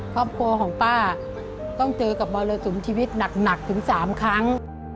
ครอบครัวของป้าต้องเจอกับมรสุมชีวิตหนักถึง๓ครั้ง